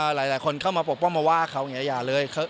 หลายคนเข้ามาปกป้องมาว่าเขาอย่าเลย